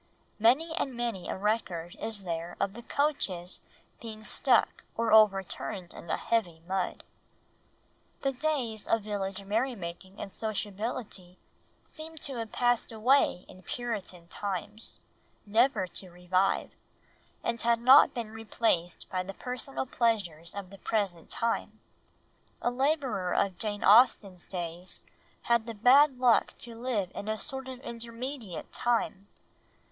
Many and many a record is there of the coaches being stuck or overturned in the heavy mud. The days of village merry making and sociability seemed to have passed away in Puritan times never to revive, and had not been replaced by the personal pleasures of the present time. A labourer of Jane Austen's days had the bad luck to live in a sort of intermediate time.